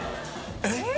えっ？